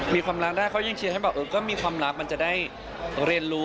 มีความรักได้เขายังเชียร์ให้แบบเออก็มีความรักมันจะได้เรียนรู้